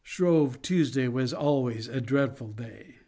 Shrove Tuesday was always a dreadful day.